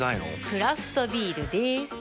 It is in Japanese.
クラフトビールでーす。